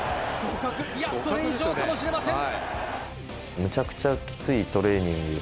いやそれ以上かもしれません。